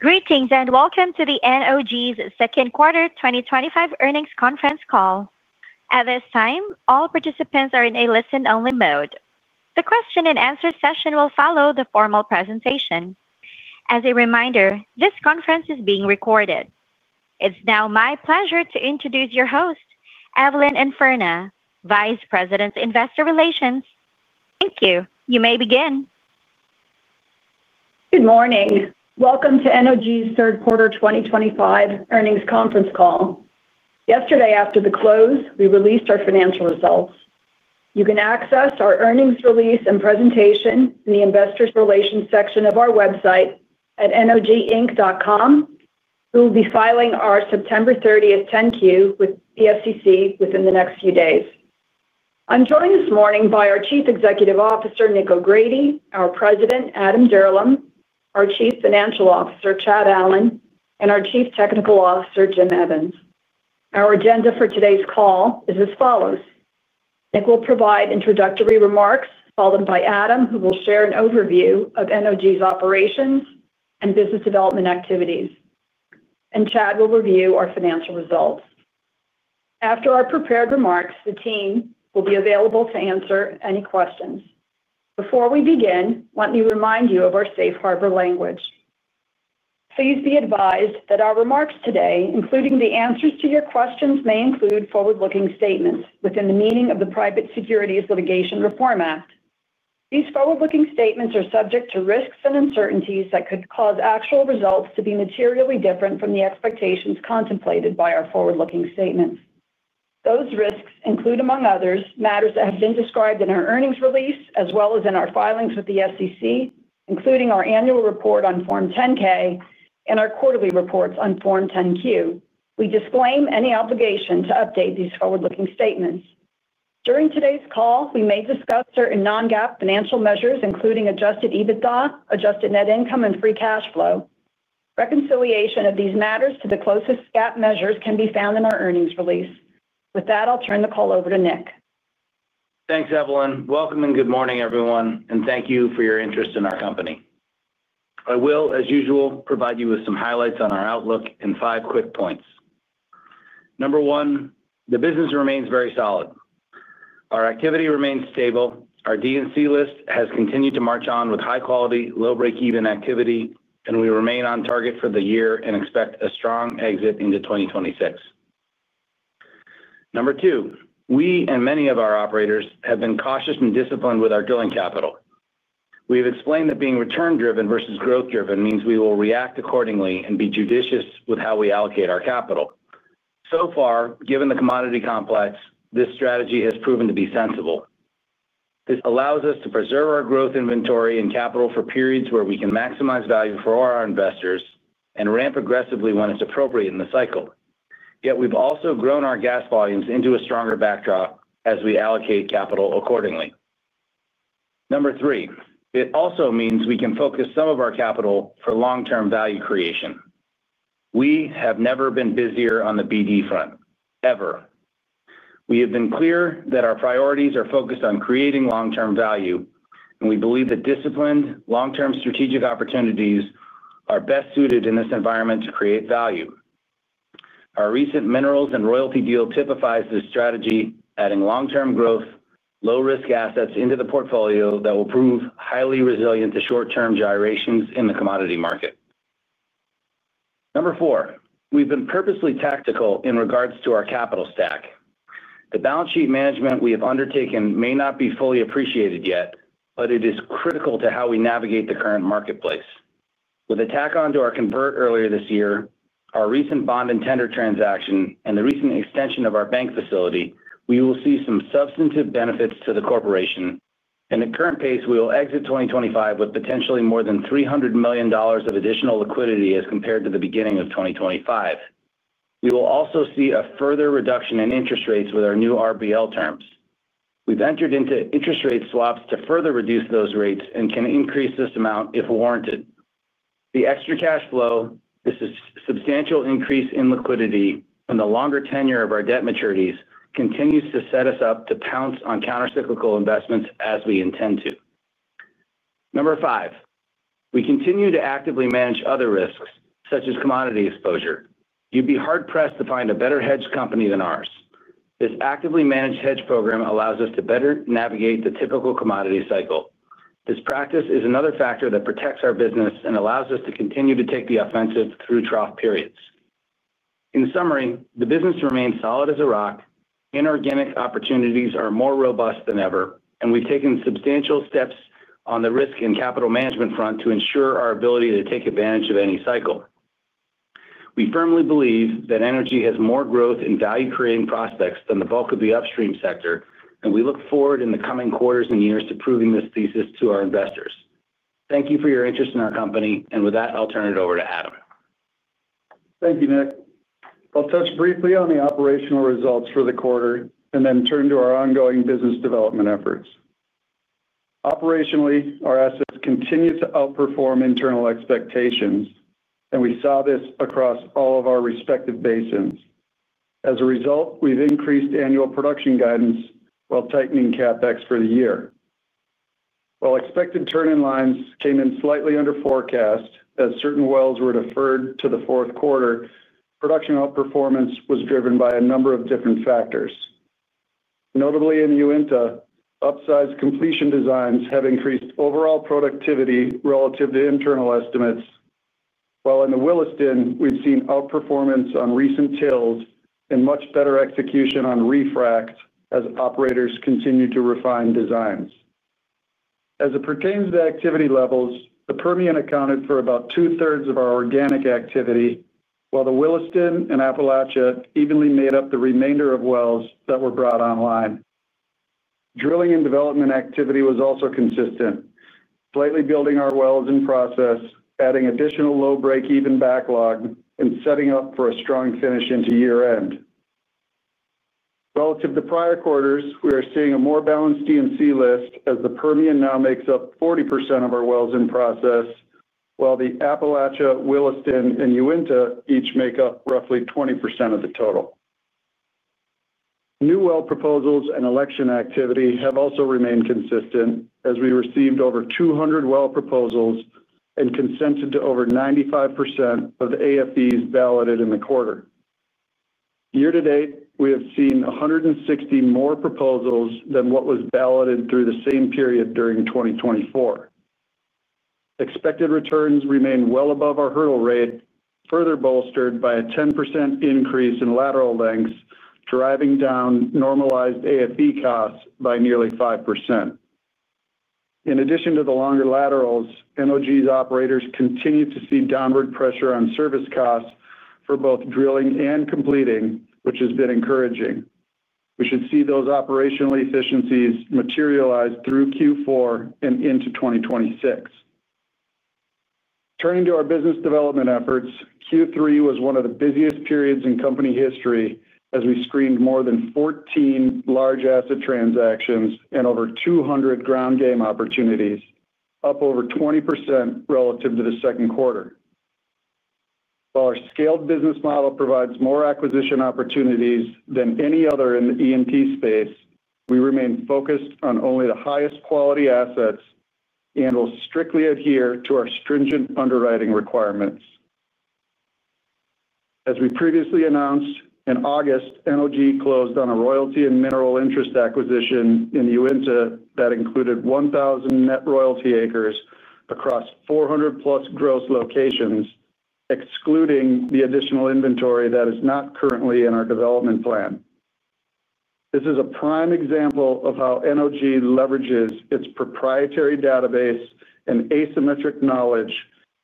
Greetings and welcome to the NOG's second quarter 2025 earnings conference call. At this time, all participants are in a listen-only mode. The question-and-answer session will follow the formal presentation. As a reminder, this conference is being recorded. It's now my pleasure to introduce your host, Evelyn Infurna, Vice President of Investor Relations. Thank you. You may begin. Good morning. Welcome to NOG's third quarter 2025 earnings conference call. Yesterday, after the close, we released our financial results. You can access our earnings release and presentation in the investor relations section of our website at noginc.com. We will be filing our September 30th 10-Q with the SEC within the next few days. I'm joined this morning by our Chief Executive Officer, Nick O'Grady, our President, Adam Dirlam, our Chief Financial Officer, Chad Allen, and our Chief Technical Officer, Jim Evans. Our agenda for today's call is as follows. Nick will provide introductory remarks, followed by Adam, who will share an overview of NOG's operations and business development activities, and Chad will review our financial results. After our prepared remarks, the team will be available to answer any questions. Before we begin, let me remind you of our safe harbor language. Please be advised that our remarks today, including the answers to your questions, may include forward-looking statements within the meaning of the Private Securities Litigation Reform Act. These forward-looking statements are subject to risks and uncertainties that could cause actual results to be materially different from the expectations contemplated by our forward-looking statements. Those risks include, among others, matters that have been described in our earnings release as well as in our filings with the SEC, including our annual report on Form 10-K and our quarterly reports on Form 10-Q. We disclaim any obligation to update these forward-looking statements. During today's call, we may discuss certain non-GAAP financial measures, including adjusted EBITDA, adjusted net income, and free cash flow. Reconciliation of these matters to the closest GAAP measures can be found in our earnings release. With that, I'll turn the call over to Nick. Thanks, Evelyn. Welcome and good morning, everyone, and thank you for your interest in our company. I will, as usual, provide you with some highlights on our outlook in five quick points. Number one, the business remains very solid. Our activity remains stable. Our D&C list has continued to march on with high-quality, low-break-even activity, and we remain on target for the year and expect a strong exit into 2026. Number two, we and many of our operators have been cautious and disciplined with our drilling capital. We have explained that being return-driven versus growth-driven means we will react accordingly and be judicious with how we allocate our capital. So far, given the commodity complex, this strategy has proven to be sensible. This allows us to preserve our growth inventory and capital for periods where we can maximize value for our investors and ramp aggressively when it's appropriate in the cycle. Yet we've also grown our gas volumes into a stronger backdrop as we allocate capital accordingly. Number three, it also means we can focus some of our capital for long-term value creation. We have never been busier on the BD front, ever. We have been clear that our priorities are focused on creating long-term value, and we believe that disciplined, long-term strategic opportunities are best suited in this environment to create value. Our recent minerals and royalty deal typifies this strategy, adding long-term growth, low-risk assets into the portfolio that will prove highly resilient to short-term gyrations in the commodity market. Number four, we've been purposely tactical in regards to our capital stack. The balance sheet management we have undertaken may not be fully appreciated yet, but it is critical to how we navigate the current marketplace. With a tack on to our convert earlier this year, our recent bond and tender transaction, and the recent extension of our bank facility, we will see some substantive benefits to the corporation. At the current pace, we will exit 2025 with potentially more than $300 million of additional liquidity as compared to the beginning of 2025. We will also see a further reduction in interest rates with our new RBL terms. We've entered into interest rate swaps to further reduce those rates and can increase this amount if warranted. The extra cash flow, this substantial increase in liquidity and the longer tenure of our debt maturities continues to set us up to pounce on countercyclical investments as we intend to. Number five, we continue to actively manage other risks, such as commodity exposure. You'd be hard-pressed to find a better hedge company than ours. This actively managed hedge program allows us to better navigate the typical commodity cycle. This practice is another factor that protects our business and allows us to continue to take the offensive through trough periods. In summary, the business remains solid as a rock. Inorganic opportunities are more robust than ever, and we've taken substantial steps on the risk and capital management front to ensure our ability to take advantage of any cycle. We firmly believe that energy has more growth and value-creating prospects than the bulk of the upstream sector, and we look forward in the coming quarters and years to proving this thesis to our investors. Thank you for your interest in our company, and with that, I'll turn it over to Adam. Thank you, Nick. I'll touch briefly on the operational results for the quarter and then turn to our ongoing business development efforts. Operationally, our assets continue to outperform internal expectations, and we saw this across all of our respective basins. As a result, we've increased annual production guidance while tightening CapEx for the year. While expected turn-in lines came in slightly under forecast as certain wells were deferred to the fourth quarter, production outperformance was driven by a number of different factors. Notably, in Uinta, upsized completion designs have increased overall productivity relative to internal estimates, while in the Williston, we've seen outperformance on recent TILs and much better execution on refracs as operators continue to refine designs. As it pertains to activity levels, the Permian accounted for about two-thirds of our organic activity, while the Williston and Appalachia evenly made up the remainder of wells that were brought online. Drilling and development activity was also consistent, slightly building our wells in process, adding additional low-break-even backlog, and setting up for a strong finish into year-end. Relative to prior quarters, we are seeing a more balanced D&C list as the Permian now makes up 40% of our wells in process, while the Appalachia, Williston, and Uinta each make up roughly 20% of the total. New well proposals and election activity have also remained consistent as we received over 200 well proposals and consented to over 95% of the AFEs balloted in the quarter. Year to date, we have seen 160 more proposals than what was balloted through the same period during 2024. Expected returns remain well above our hurdle rate, further bolstered by a 10% increase in lateral lengths, driving down normalized AFE costs by nearly 5%. In addition to the longer laterals, NOG's operators continue to see downward pressure on service costs for both drilling and completing, which has been encouraging. We should see those operational efficiencies materialize through Q4 and into 2026. Turning to our business development efforts, Q3 was one of the busiest periods in company history as we screened more than 14 large asset transactions and over 200 ground game opportunities, up over 20% relative to the second quarter. While our scaled business model provides more acquisition opportunities than any other in the E&P space, we remain focused on only the highest quality assets and will strictly adhere to our stringent underwriting requirements. As we previously announced, in August, NOG closed on a royalty and mineral interest acquisition in Uinta that included 1,000 net royalty acres across 400+ gross locations, excluding the additional inventory that is not currently in our development plan. This is a prime example of how NOG leverages its proprietary database and asymmetric knowledge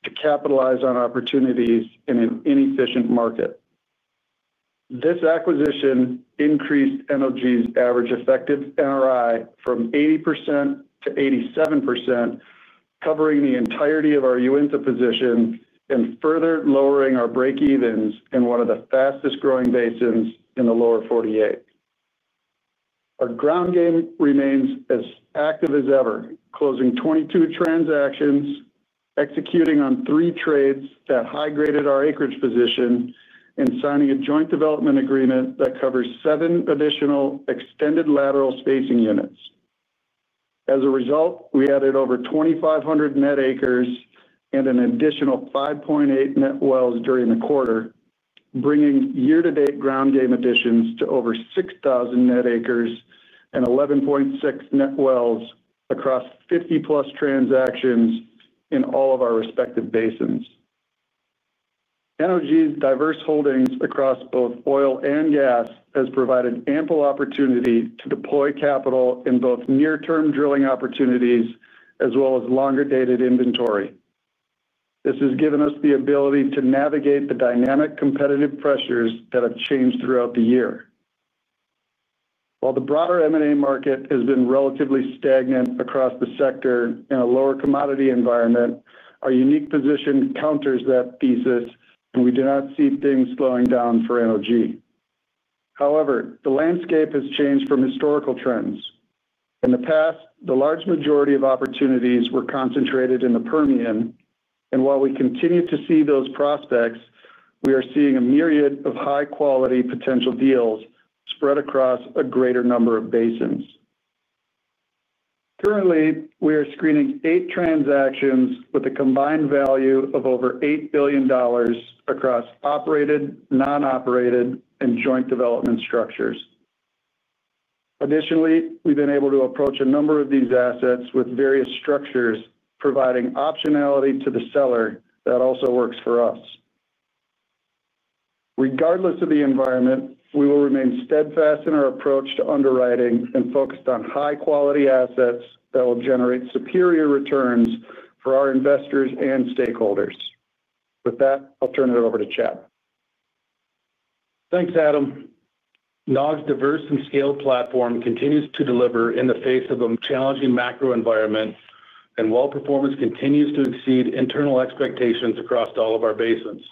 to capitalize on opportunities in an inefficient market. This acquisition increased NOG's average effective NRI from 80% to 87%, covering the entirety of our Uinta position and further lowering our break-evens in one of the fastest-growing basins in the Lower 48. Our ground game remains as active as ever, closing 22 transactions, executing on three trades that high-graded our acreage position, and signing a joint development agreement that covers seven additional extended lateral spacing units. As a result, we added over 2,500 net acres and an additional 5.8 net wells during the quarter, bringing year-to-date ground game additions to over 6,000 net acres and 11.6 net wells across 50+ transactions in all of our respective basins. NOG's diverse holdings across both oil and gas have provided ample opportunity to deploy capital in both near-term drilling opportunities as well as longer-dated inventory. This has given us the ability to navigate the dynamic competitive pressures that have changed throughout the year. While the broader M&A market has been relatively stagnant across the sector in a lower commodity environment, our unique position counters that thesis, and we do not see things slowing down for NOG. However, the landscape has changed from historical trends. In the past, the large majority of opportunities were concentrated in the Permian, and while we continue to see those prospects, we are seeing a myriad of high-quality potential deals spread across a greater number of basins. Currently, we are screening eight transactions with a combined value of over $8 billion across operated, non-operated, and joint development structures. Additionally, we've been able to approach a number of these assets with various structures, providing optionality to the seller that also works for us. Regardless of the environment, we will remain steadfast in our approach to underwriting and focused on high-quality assets that will generate superior returns for our investors and stakeholders. With that, I'll turn it over to Chad. Thanks, Adam. NOG's diverse and scaled platform continues to deliver in the face of a challenging macro environment, and well performance continues to exceed internal expectations across all of our basins.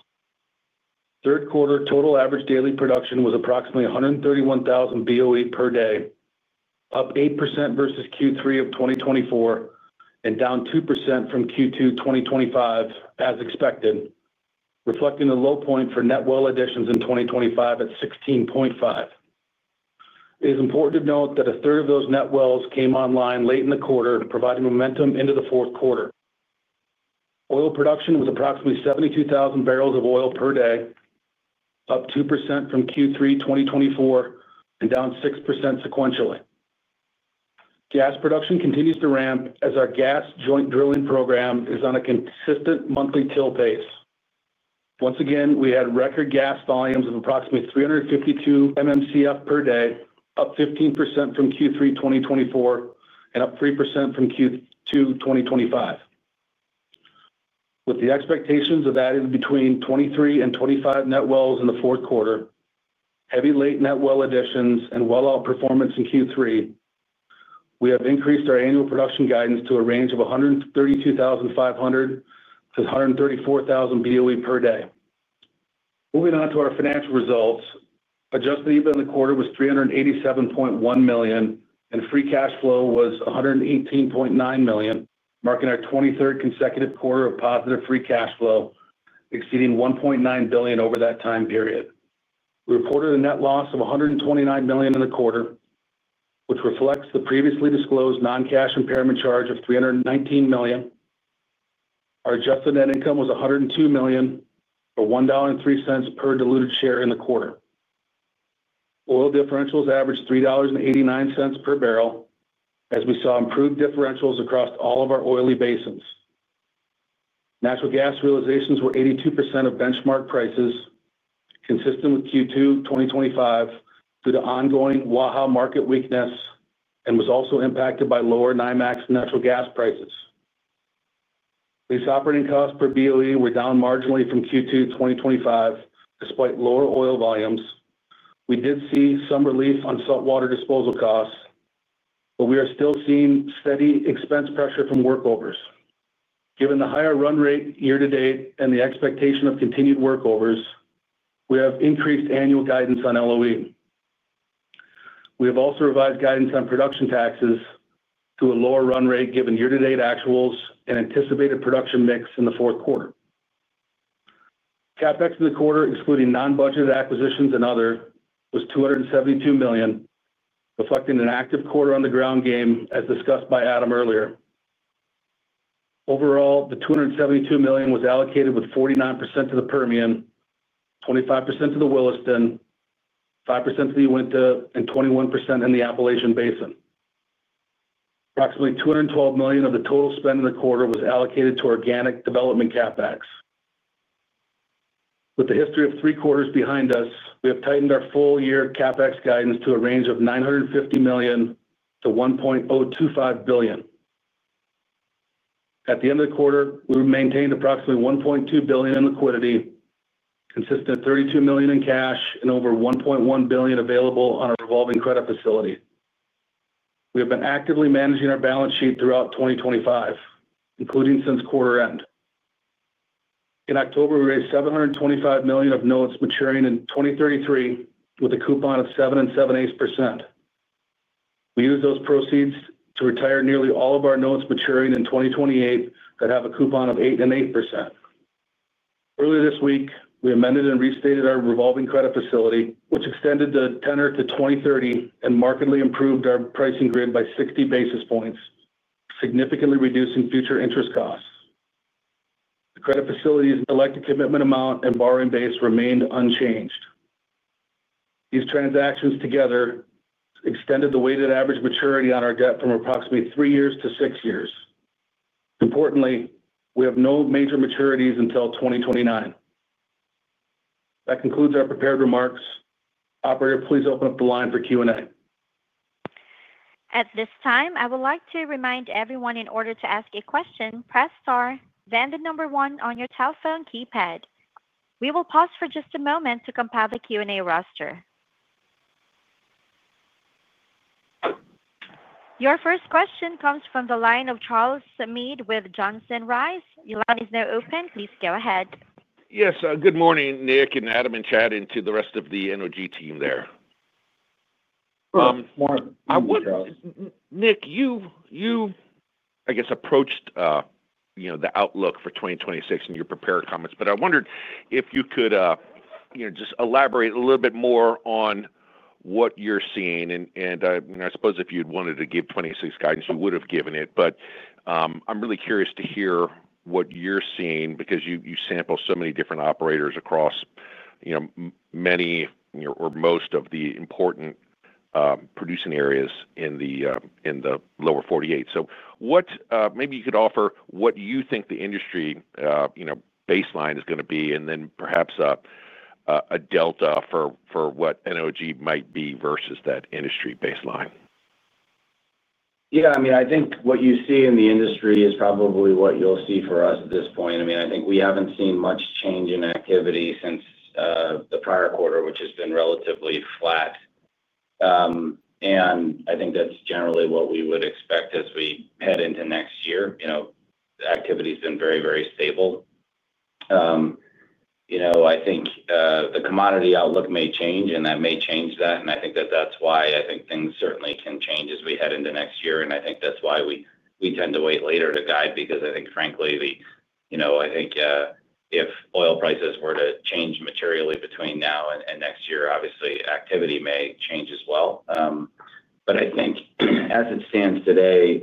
Third quarter total average daily production was approximately 131,000 BOE per day, up 8% versus Q3 of 2024 and down 2% from Q2 2025, as expected, reflecting a low point for net well additions in 2025 at 16.5. It is important to note that a third of those net wells came online late in the quarter, providing momentum into the fourth quarter. Oil production was approximately 72,000 bbl of oil per day, up 2% from Q3 2024 and down 6% sequentially. Gas production continues to ramp as our gas joint drilling program is on a consistent monthly TIL pace. Once again, we had record gas volumes of approximately 352 MMCF per day, up 15% from Q3 2024 and up 3% from Q2 2025. With the expectations of adding between 23 and 25 net wells in the fourth quarter, heavy late net well additions, and well-out performance in Q3, we have increased our annual production guidance to a range of 132,500 BOE-134,000 BOE per day. Moving on to our financial results, adjusted EBITDA in the quarter was $387.1 million, and free cash flow was $118.9 million, marking our 23rd consecutive quarter of positive free cash flow, exceeding $1.9 billion over that time period. We reported a net loss of $129 million in the quarter, which reflects the previously disclosed non-cash impairment charge of $319 million. Our adjusted net income was $102 million or $1.03 per diluted share in the quarter. Oil differentials averaged $3.89 per barrel, as we saw improved differentials across all of our oily basins. Natural gas realizations were 82% of benchmark prices, consistent with Q2 2023 due to ongoing Waha market weakness and was also impacted by lower NYMEX natural gas prices. Lease operating costs per BOE were down marginally from Q2 2023 despite lower oil volumes. We did see some relief on saltwater disposal costs, but we are still seeing steady expense pressure from workovers. Given the higher run rate year-to-date and the expectation of continued workovers, we have increased annual guidance on LOE. We have also revised guidance on production taxes to a lower run rate given year-to-date actuals and anticipated production mix in the fourth quarter. CapEx in the quarter, excluding non-budgeted acquisitions and other, was $272 million, reflecting an active quarter on the ground game, as discussed by Adam earlier. Overall, the $272 million was allocated with 49% to the Permian, 25% to the Williston, 5% to the Uinta, and 21% in the Appalachian Basin. Approximately $212 million of the total spend in the quarter was allocated to organic development CapEx. With the history of three quarters behind us, we have tightened our full-year CapEx guidance to a range of $950 million-$1.025 billion. At the end of the quarter, we maintained approximately $1.2 billion in liquidity, consisting of $32 million in cash and over $1.1 billion available on a revolving credit facility. We have been actively managing our balance sheet throughout 2025, including since quarter end. In October, we raised $725 million of notes maturing in 2033 with a coupon of 7.78%. We used those proceeds to retire nearly all of our notes maturing in 2028 that have a coupon of 8.8%. Earlier this week, we amended and restated our revolving credit facility, which extended the tenor to 2030 and markedly improved our pricing grid by 60 basis points, significantly reducing future interest costs. The credit facility's electric commitment amount and borrowing base remained unchanged. These transactions together extended the weighted average maturity on our debt from approximately three years to six years. Importantly, we have no major maturities until 2029. That concludes our prepared remarks. Operator, please open up the line for Q&A. At this time, I would like to remind everyone in order to ask a question, press star, then the number one on your telephone keypad. We will pause for just a moment to compile the Q&A roster. Your first question comes from the line of Charles Meade with Johnson Rice. Your line is now open. Please go ahead. Yes. Good morning, Nick and Adam and Chad and to the rest of the NOG team there. Good morning. Nick, you, I guess, approached the outlook for 2026 in your prepared comments, but I wondered if you could just elaborate a little bit more on what you're seeing. I suppose if you'd wanted to give 2026 guidance, you would have given it. I'm really curious to hear what you're seeing because you sample so many different operators across many or most of the important producing areas in the Lower 48. Maybe you could offer what you think the industry baseline is going to be and then perhaps a delta for what NOG might be versus that industry baseline. Yeah. I think what you see in the industry is probably what you'll see for us at this point. I think we haven't seen much change in activity since the prior quarter, which has been relatively flat. I think that's generally what we would expect as we head into next year. The activity has been very, very stable. I think the commodity outlook may change, and that may change that. I think that is why I think things certainly can change as we head into next year. I think that is why we tend to wait later to guide because I think, frankly, if oil prices were to change materially between now and next year, obviously, activity may change as well. I think as it stands today,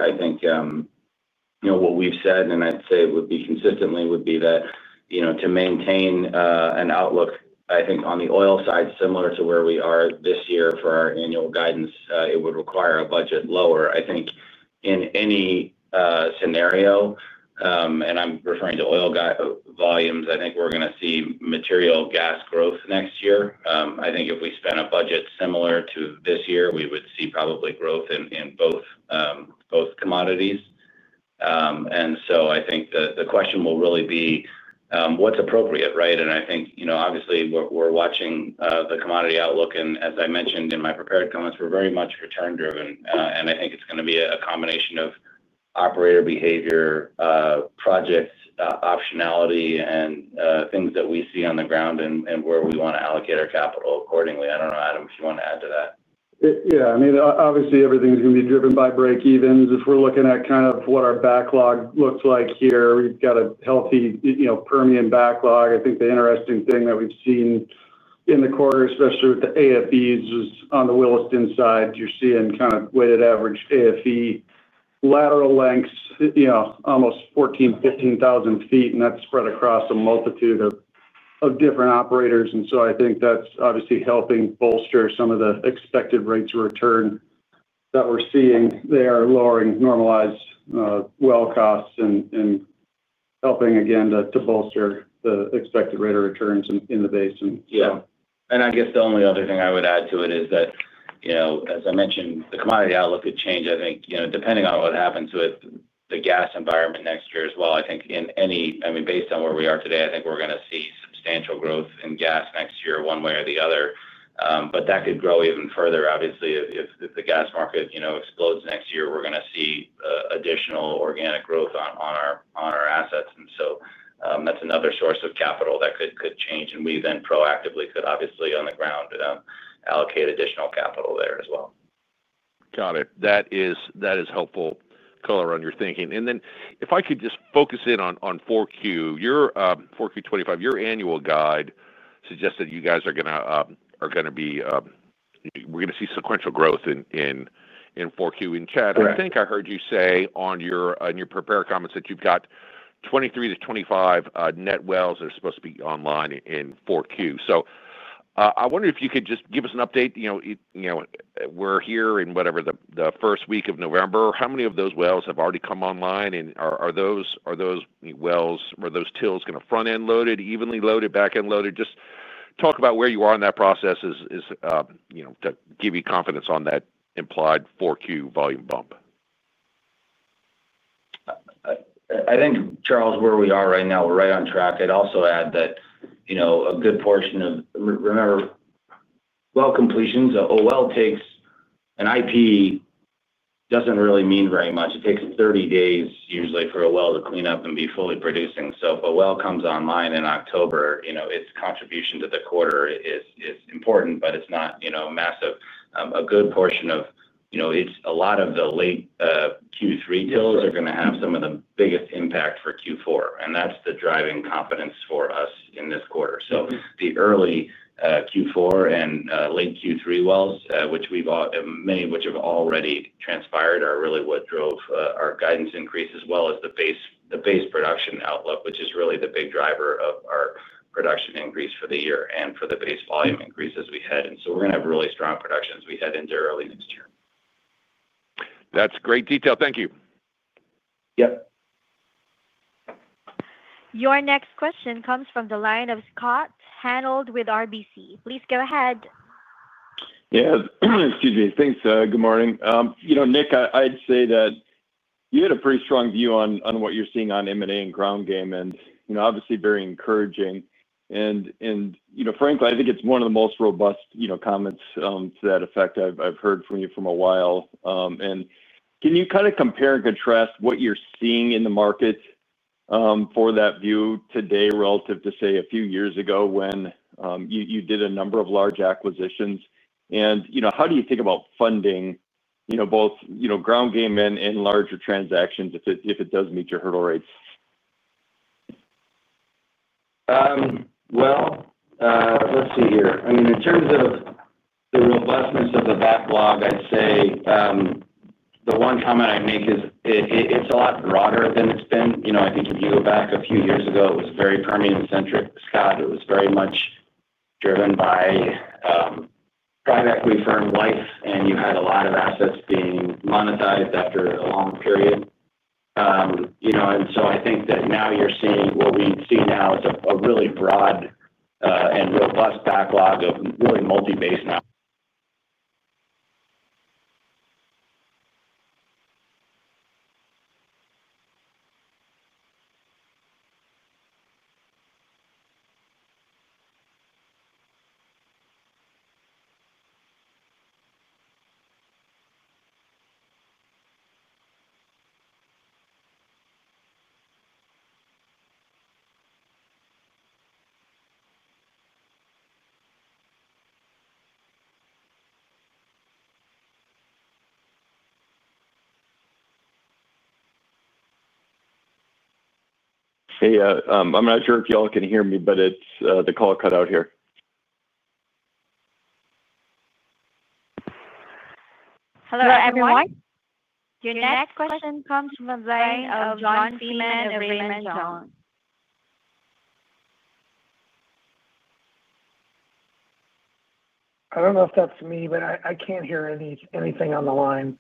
what we have said, and I would say it would be consistently, would be that to maintain an outlook, I think on the oil side, similar to where we are this year for our annual guidance, it would require a budget lower. I think in any scenario, and I am referring to oil volumes, we are going to see material gas growth next year. I think if we spent a budget similar to this year, we would see probably growth in both commodities. I think the question will really be what's appropriate, right? I think, obviously, we're watching the commodity outlook. As I mentioned in my prepared comments, we're very much return-driven. I think it's going to be a combination of operator behavior, project optionality, and things that we see on the ground and where we want to allocate our capital accordingly. I don't know, Adam, if you want to add to that. Yeah. I mean, obviously, everything is going to be driven by break-evens. If we're looking at kind of what our backlog looks like here, we've got a healthy Permian backlog. I think the interesting thing that we've seen in the quarter, especially with the AFEs, is on the Williston side, you're seeing kind of weighted average AFE lateral lengths, almost 14,000 ft-15,000 ft, and that's spread across a multitude of different operators. I think that's obviously helping bolster some of the expected rates of return that we're seeing. They are lowering normalized well costs and helping, again, to bolster the expected rate of returns in the basin. Yeah. I guess the only other thing I would add to it is that, as I mentioned, the commodity outlook could change, I think, depending on what happens with the gas environment next year as well. I think in any, I mean, based on where we are today, I think we're going to see substantial growth in gas next year one way or the other. That could grow even further, obviously. If the gas market explodes next year, we're going to see additional organic growth on our assets. That's another source of capital that could change. We then proactively could, obviously, on the ground, allocate additional capital there as well. Got it. That is helpful color on your thinking. If I could just focus in on 4Q, 4Q 2025, your annual guide suggests that you guys are going to be, we're going to see sequential growth in 4Q. Chad, I think I heard you say on your prepared comments that you've got 23-25 net wells that are supposed to be online in 4Q. I wonder if you could just give us an update. We're here in whatever the first week of November. How many of those wells have already come online? Are those wells or those TILs going to be front-end loaded, evenly loaded, back-end loaded? Just talk about where you are in that process to give you confidence on that implied 4Q volume bump. I think, Charles, where we are right now, we're right on track. I'd also add that a good portion of, remember, well completions, a well takes an IP doesn't really mean very much. It takes 30 days usually for a well to clean up and be fully producing. If a well comes online in October, its contribution to the quarter is important, but it's not a massive. A good portion of a lot of the late Q3 tills are going to have some of the biggest impact for Q4. That's the driving confidence for us in this quarter. The early Q4 and late Q3 wells, many of which have already transpired, are really what drove our guidance increase, as well as the base production outlook, which is really the big driver of our production increase for the year and for the base volume increase as we head. We are going to have really strong productions as we head into early next year. That is great detail. Thank you. Yep. Your next question comes from the line of Scott Hanold with RBC. Please go ahead. Yeah. Excuse me. Thanks. Good morning. Nick, I would say that you had a pretty strong view on what you are seeing on M&A and ground game, and obviously very encouraging. Frankly, I think it is one of the most robust comments to that effect I have heard from you for a while. Can you kind of compare and contrast what you're seeing in the market for that view today relative to, say, a few years ago when you did a number of large acquisitions? How do you think about funding both ground game and larger transactions if it does meet your hurdle rates? Let's see here. I mean, in terms of the robustness of the backlog, I'd say the one comment I make is it's a lot broader than it's been. I think if you go back a few years ago, it was very Permian-centric. Scott, it was very much driven by private equity firm life, and you had a lot of assets being monetized after a long period. I think that now you're seeing what we see now is a really broad and robust backlog of really multi-basin now. Hey, I'm not sure if y'all can hear me, but the call cut out here. Hello, everyone. Your next question comes from the line of John Freeman with Raymond James. I don't know if that's me, but I can't hear anything on the line.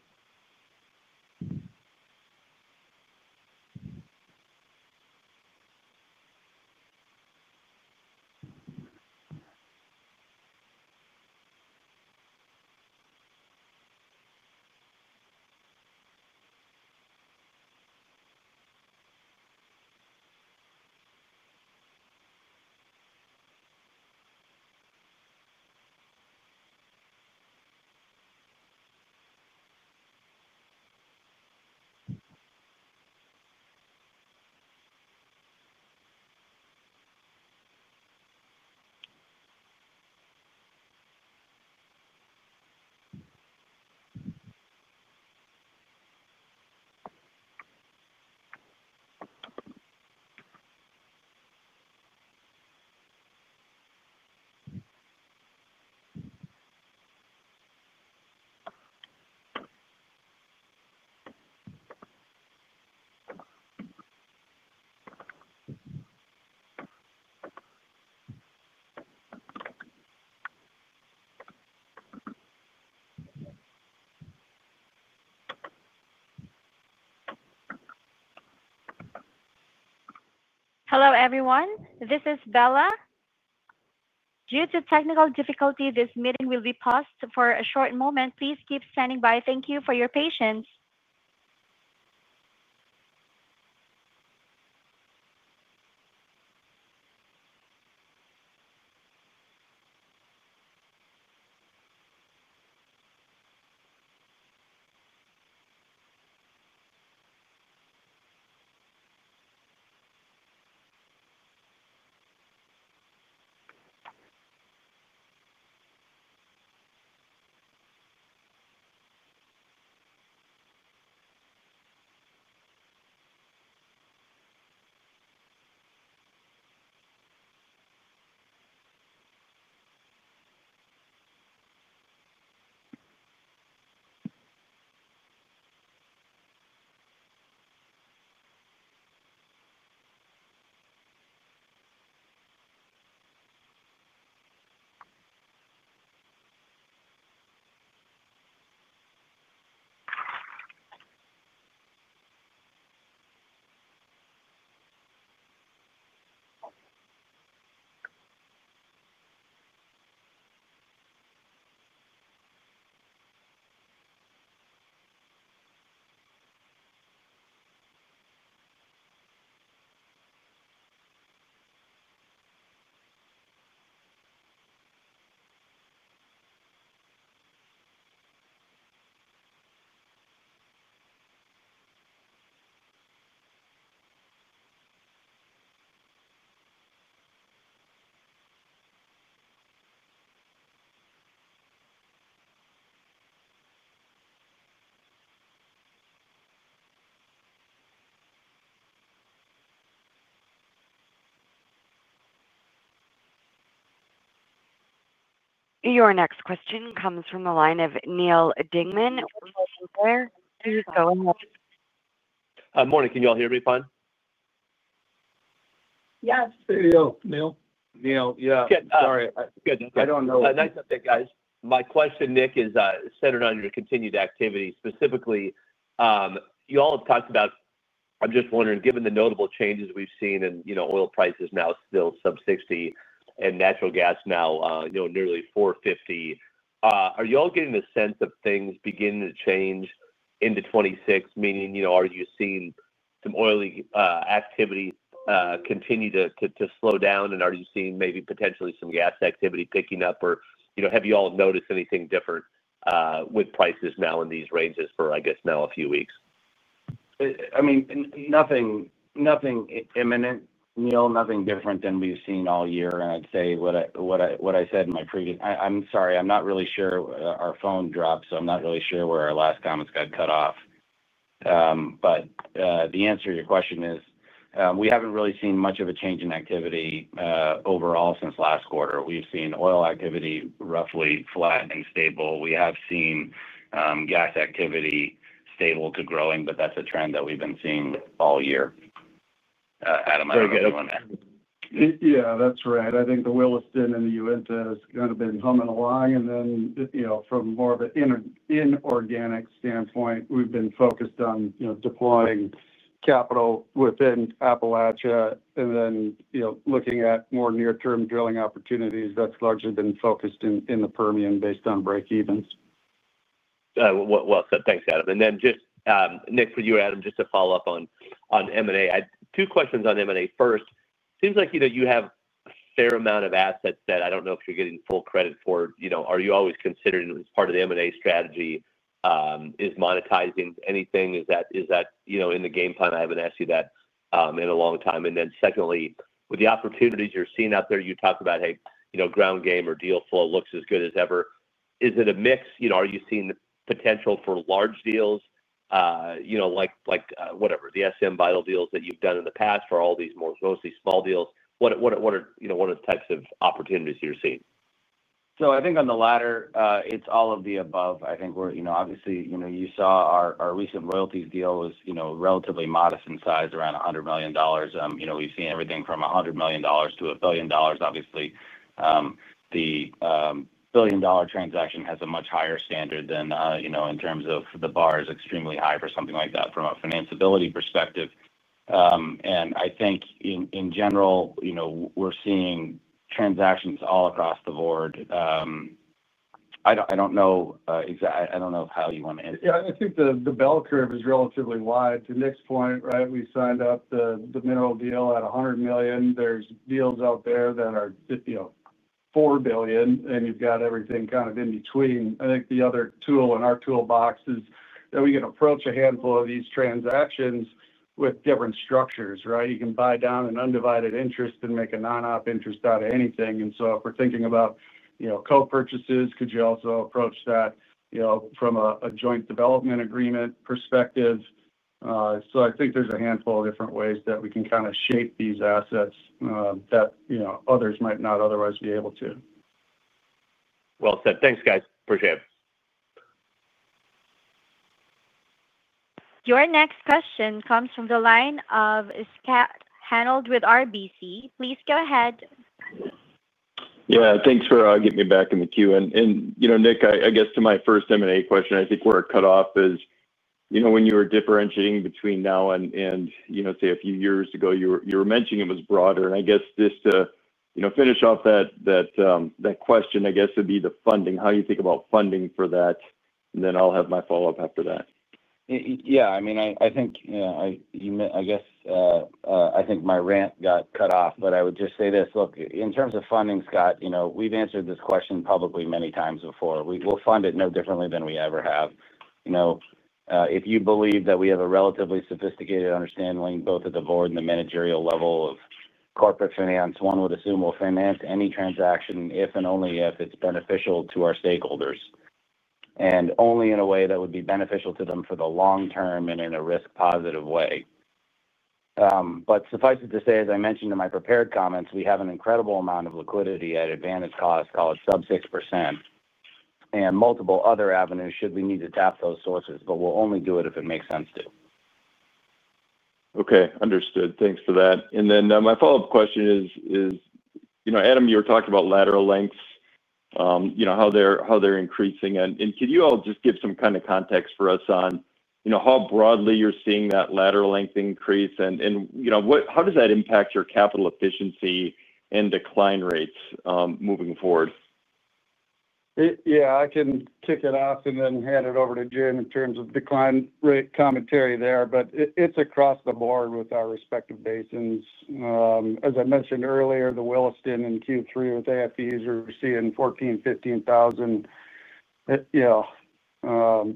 Hello, everyone. This is Bella. Due to technical difficulty, this meeting will be paused for a short moment. Please keep standing by. Thank you for your patience. Your next question comes from the line of Neal Dingmann. Please go ahead. Morning. Can y'all hear me fine? Yes. There you go. Neal. Neal, yeah. Sorry. Good. I don't know. Nice update, guys. My question, Nick, is centered on your continued activity. Specifically, y'all have talked about—I am just wondering, given the notable changes we have seen in oil prices now still sub-$60 and natural gas now nearly $4.50, are y'all getting a sense of things beginning to change into 2026? Meaning, are you seeing some oil activity continue to slow down, and are you seeing maybe potentially some gas activity picking up? Or have y'all noticed anything different with prices now in these ranges for, I guess, now a few weeks? I mean, nothing imminent, Neal. Nothing different than we have seen all year. I would say what I said in my previous—I am sorry, I am not really sure. Our phone dropped, so I am not really sure where our last comments got cut off. The answer to your question is we have not really seen much of a change in activity overall since last quarter. We have seen oil activity roughly flat and stable. We have seen gas activity stable to growing, but that's a trend that we've been seeing all year, Adam and I are going to. Yeah, that's right. I think the Williston and the Uinta has kind of been humming along. From more of an inorganic standpoint, we've been focused on deploying capital within Appalachia. Looking at more near-term drilling opportunities, that's largely been focused in the Permian based on break-evens. Well said. Thanks, Adam. Nick, for you, Adam, just to follow up on M&A, I have two questions on M&A. First, it seems like you have a fair amount of assets that I don't know if you're getting full credit for. Are you always considering as part of the M&A strategy is monetizing anything? Is that in the game plan? I haven't asked you that in a long time. Then secondly, with the opportunities you're seeing out there, you talked about, hey, ground game or deal flow looks as good as ever. Is it a mix? Are you seeing the potential for large deals, like whatever, the SM Vital deals that you've done in the past, or are these mostly small deals? What are the types of opportunities you're seeing? I think on the latter, it's all of the above. I think we're obviously, you saw our recent royalties deal was relatively modest in size, around $100 million. We've seen everything from $100 million-$1 billion. Obviously, the $1 billion transaction has a much higher standard in terms of the bar is extremely high for something like that from a financeability perspective. I think in general, we're seeing transactions all across the board. I don't know exactly—I don't know how you want to answer. Yeah, I think the bell curve is relatively wide. To Nick's point, right, we signed up the mineral deal at $100 million. There's deals out there that are $4 billion, and you've got everything kind of in between. I think the other tool in our toolbox is that we can approach a handful of these transactions with different structures, right? You can buy down an undivided interest and make a non-op interest out of anything. If we're thinking about co-purchases, could you also approach that from a joint development agreement perspective? I think there's a handful of different ways that we can kind of shape these assets that others might not otherwise be able to. Thanks, guys. Appreciate it. Your next question comes from the line of Scott Hanold with RBC. Please go ahead. Yeah. Thanks for getting me back in the queue. Nick, I guess to my first M&A question, I think where it cut off is when you were differentiating between now and, say, a few years ago, you were mentioning it was broader. I guess just to finish off that question, I guess it'd be the funding. How do you think about funding for that? I’ll have my follow-up after that. Yeah. I mean, I think, yeah, I guess I think my rant got cut off, but I would just say this. Look, in terms of funding, Scott, we've answered this question publicly many times before. We'll fund it no differently than we ever have. If you believe that we have a relatively sophisticated understanding both at the board and the managerial level of corporate finance, one would assume we'll finance any transaction if and only if it's beneficial to our stakeholders and only in a way that would be beneficial to them for the long term and in a risk-positive way. Suffice it to say, as I mentioned in my prepared comments, we have an incredible amount of liquidity at advantage cost, called sub-6%, and multiple other avenues should we need to tap those sources, but we'll only do it if it makes sense to. Okay. Understood. Thanks for that. My follow-up question is, Adam, you were talking about lateral lengths, how they're increasing. Could you all just give some kind of context for us on how broadly you're seeing that lateral length increase? How does that impact your capital efficiency and decline rates moving forward? Yeah. I can kick it off and then hand it over to Jim in terms of decline rate commentary there. It is across the board with our respective basins. As I mentioned earlier, the Williston in Q3 with AFEs, we are seeing 14,000 ft-15,000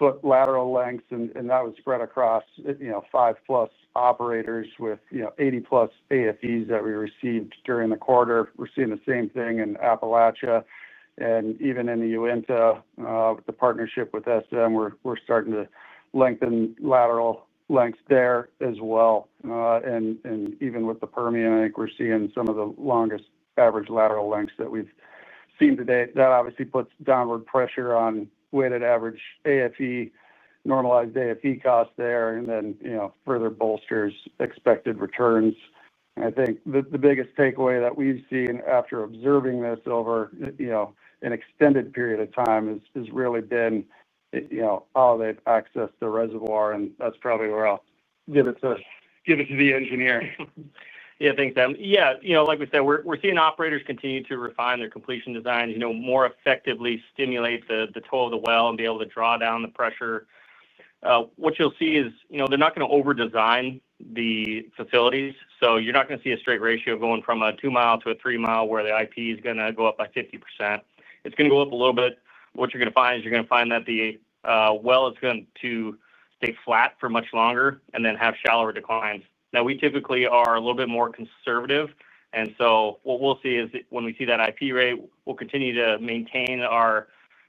ft lateral lengths, and that was spread across 5+ operators with 80+ AFEs that we received during the quarter. We are seeing the same thing in Appalachia and even in the Uinta. The partnership with SM, we are starting to lengthen lateral lengths there as well. Even with the Permian, I think we are seeing some of the longest average lateral lengths that we have seen today. That obviously puts downward pressure on weighted average AFE, normalized AFE cost there, and then further bolsters expected returns. I think the biggest takeaway that we've seen after observing this over an extended period of time has really been how they've accessed the reservoir. That's probably where I'll give it to the engineer. Yeah. Thanks, Adam. Yeah. Like we said, we're seeing operators continue to refine their completion design, more effectively stimulate the toe of the well, and be able to draw down the pressure. What you'll see is they're not going to over-design the facilities. You're not going to see a straight ratio going from a 2 mi to a 3 mi where the IP is going to go up by 50%. It's going to go up a little bit. What you're going to find is you're going to find that the well is going to stay flat for much longer and then have shallower declines. Now, we typically are a little bit more conservative. What we will see is when we see that IP rate, we will continue to maintain our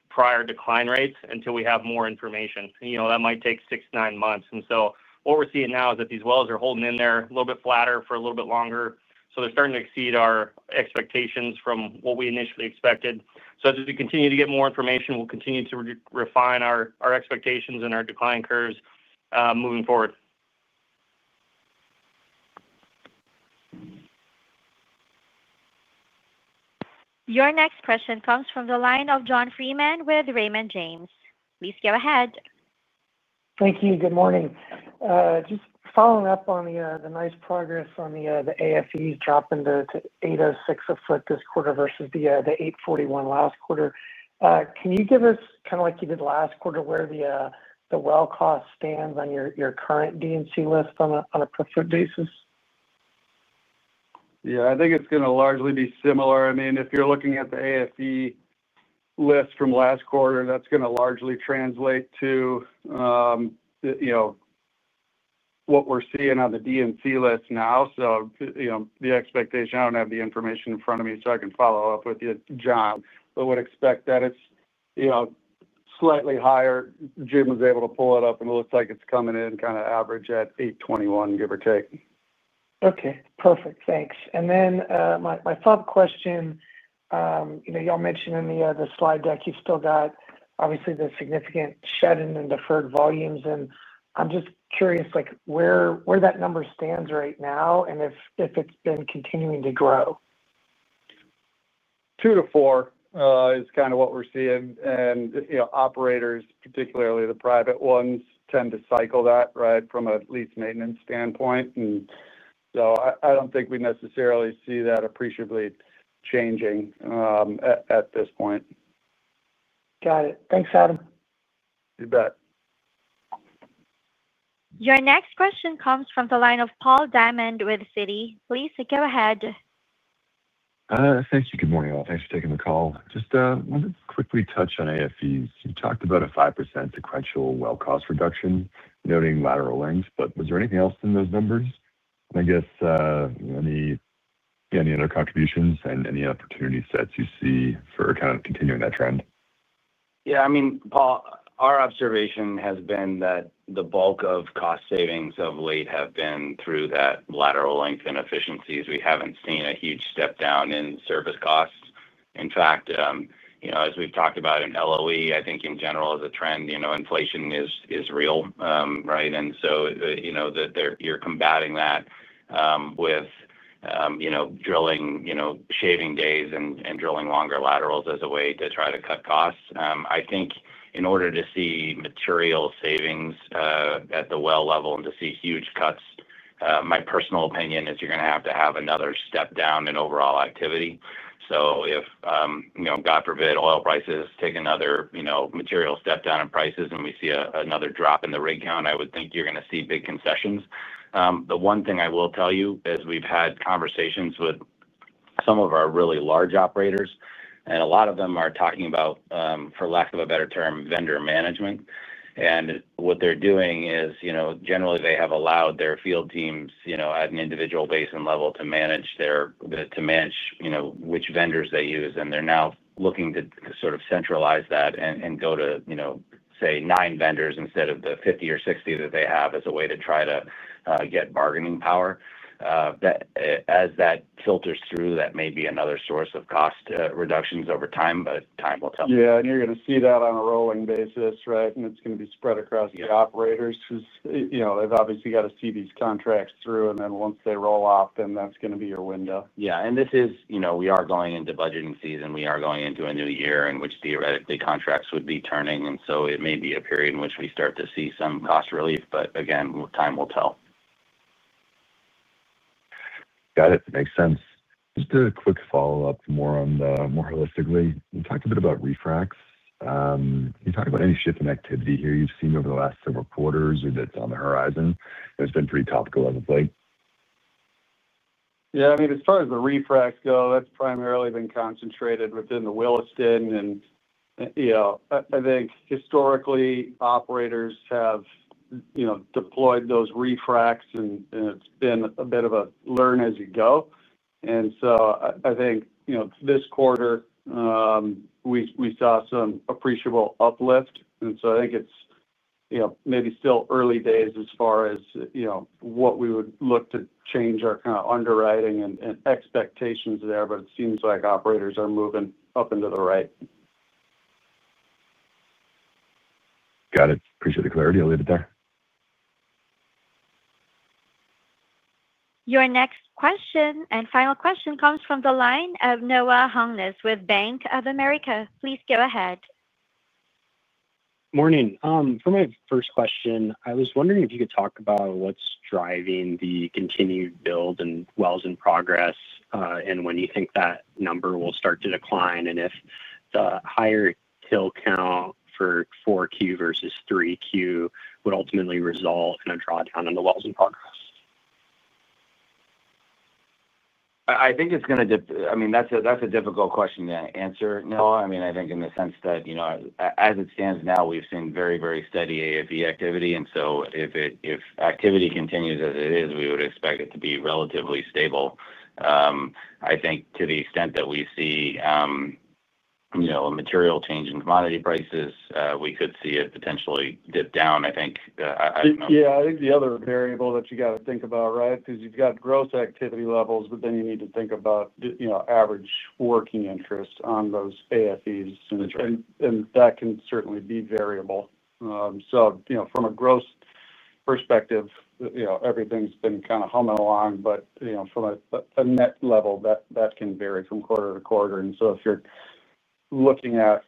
prior decline rates until we have more information. That might take six to nine months. What we are seeing now is that these wells are holding in there a little bit flatter for a little bit longer. They are starting to exceed our expectations from what we initially expected. As we continue to get more information, we will continue to refine our expectations and our decline curves moving forward. Your next question comes from the line of John Freeman with Raymond James. Please go ahead. Thank you. Good morning. Just following up on the nice progress on the AFEs dropping to $806 a foot this quarter versus the $841 last quarter. Can you give us, kind of like you did last quarter, where the well cost stands on your current D&C list on a per-foot basis? Yeah. I think it's going to largely be similar. I mean, if you're looking at the AFE list from last quarter, that's going to largely translate to what we're seeing on the D&C list now. The expectation—I don't have the information in front of me, so I can follow up with you, John. Would expect that it's slightly higher. Jim was able to pull it up, and it looks like it's coming in kind of average at 821, give or take. Okay. Perfect. Thanks. My follow-up question, y'all mentioned in the slide deck, you've still got obviously the significant shed and deferred volumes. I'm just curious where that number stands right now and if it's been continuing to grow. Two to four is kind of what we're seeing. Operators, particularly the private ones, tend to cycle that, right, from a lease maintenance standpoint. I do not think we necessarily see that appreciably changing at this point. Got it. Thanks, Adam. You bet. Your next question comes from the line of Paul Diamond with Citi. Please go ahead. Thank you. Good morning, all. Thanks for taking the call. Just wanted to quickly touch on AFEs. You talked about a 5% sequential well cost reduction, noting lateral lengths, but was there anything else in those numbers? I guess any other contributions and any opportunity sets you see for kind of continuing that trend? Yeah. I mean, Paul, our observation has been that the bulk of cost savings of late have been through that lateral length and efficiencies. We have not seen a huge step down in service costs. In fact, as we've talked about in LOE, I think in general as a trend, inflation is real, right? You are combating that with shaving days and drilling longer laterals as a way to try to cut costs. I think in order to see material savings at the well level and to see huge cuts, my personal opinion is you are going to have to have another step down in overall activity. If, God forbid, oil prices take another material step down in prices and we see another drop in the rig count, I would think you are going to see big concessions. The one thing I will tell you is we've had conversations with some of our really large operators, and a lot of them are talking about, for lack of a better term, vendor management. What they are doing is generally they have allowed their field teams at an individual basin level to manage which vendors they use. They are now looking to sort of centralize that and go to, say, nine vendors instead of the 50 or 60 that they have as a way to try to get bargaining power. As that filters through, that may be another source of cost reductions over time, but time will tell. You are going to see that on a rolling basis, right? It is going to be spread across the operators because they obviously have to see these contracts through. Once they roll off, that is going to be your window. This is, we are going into budgeting season. We are going into a new year in which theoretically contracts would be turning. It may be a period in which we start to see some cost relief. Again, time will tell. Got it. Makes sense. Just a quick follow-up more on the more holistically. You talked a bit about refracs. Can you talk about any shift in activity here you've seen over the last several quarters or that's on the horizon? It's been pretty topical, obviously. Yeah. I mean, as far as the refracs go, that's primarily been concentrated within the Williston. I think historically, operators have deployed those refracs, and it's been a bit of a learn as you go. I think this quarter, we saw some appreciable uplift. I think it's maybe still early days as far as what we would look to change our kind of underwriting and expectations there. It seems like operators are moving up and to the right. Got it. Appreciate the clarity. I'll leave it there. Your next question and final question comes from the line of Noah Hungness with Bank of America. Please go ahead. Morning. For my first question, I was wondering if you could talk about what's driving the continued build in wells in progress and when you think that number will start to decline and if the higher TIL count for 4Q versus 3Q would ultimately result in a drawdown in the wells in progress. I think it's going to—I mean, that's a difficult question to answer, Noah. I mean, I think in the sense that as it stands now, we've seen very, very steady AFE activity. And if activity continues as it is, we would expect it to be relatively stable. I think to the extent that we see a material change in commodity prices, we could see it potentially dip down. I think, yeah, I think. The other variable that you got to think about, right, because you have got gross activity levels, but then you need to think about average working interest on those AFEs. That can certainly be variable. From a gross perspective, everything has been kind of humming along. From a net level, that can vary from quarter to quarter. If you are looking at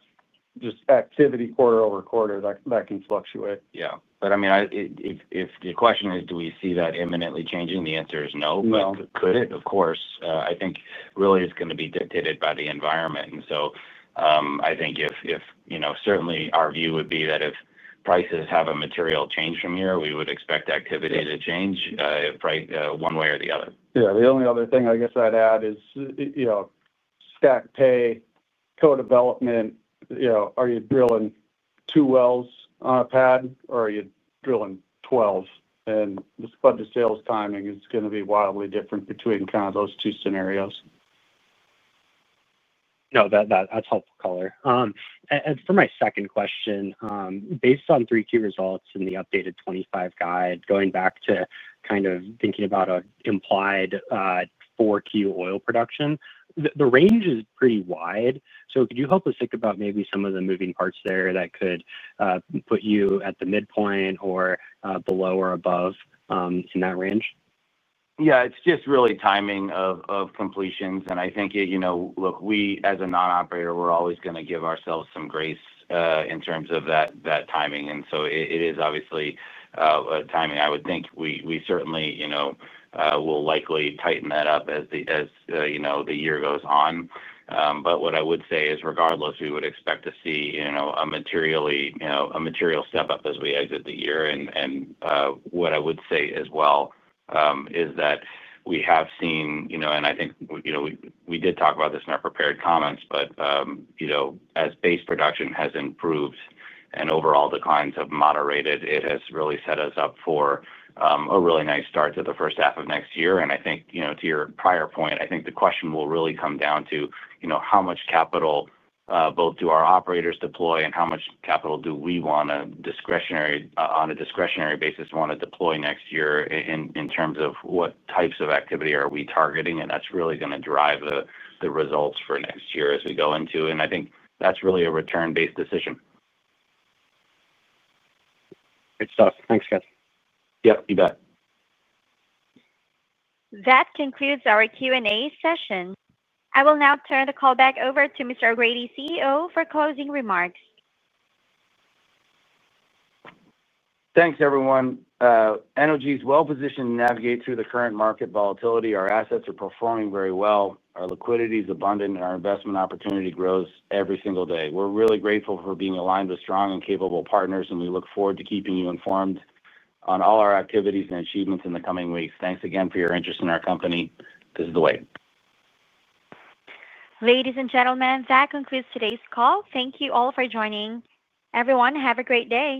just activity quarter-over-quarter, that can fluctuate. Yeah. I mean, if the question is, do we see that imminently changing, the answer is no. Could it? Of course. I think really it is going to be dictated by the environment. I think if certainly our view would be that if prices have a material change from here, we would expect activity to change one way or the other. The only other thing I guess I'd add is stack pay, co-development. Are you drilling two wells on a pad, or are you drilling 12? The budget sales timing is going to be wildly different between kind of those two scenarios. No, that's helpful color. For my second question, based on 3Q results and the updated 2025 guide, going back to kind of thinking about an implied 4Q oil production, the range is pretty wide. Could you help us think about maybe some of the moving parts there that could put you at the midpoint or below or above in that range? It's just really timing of completions. I think, look, we as a non-operator, we're always going to give ourselves some grace in terms of that timing. It is obviously a timing. I would think we certainly will likely tighten that up as the year goes on. What I would say is regardless, we would expect to see a material step up as we exit the year. What I would say as well is that we have seen—and I think we did talk about this in our prepared comments—that as base production has improved and overall declines have moderated, it has really set us up for a really nice start to the first half of next year. I think to your prior point, I think the question will really come down to how much capital both do our operators deploy and how much capital do we want to, on a discretionary basis, want to deploy next year in terms of what types of activity are we targeting. That is really going to drive the results for next year as we go into. I think that is really a return-based decision. Good stuff. Thanks, guys. Yep. You bet. That concludes our Q&A session. I will now turn the call back over to Mr. O'Grady, CEO, for closing remarks. Thanks, everyone. Northern Oil and Gas is well-positioned to navigate through the current market volatility. Our assets are performing very well. Our liquidity is abundant, and our investment opportunity grows every single day. We're really grateful for being aligned with strong and capable partners, and we look forward to keeping you informed on all our activities and achievements in the coming weeks. Thanks again for your interest in our company. This is the way. Ladies and gentlemen, that concludes today's call. Thank you all for joining. Everyone, have a great day.